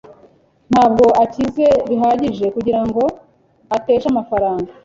Ntabwo akize bihagije kugirango ateshe amafaranga.